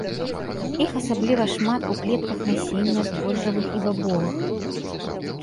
Іх асабліва шмат у клетках насення збожжавых і бабовых.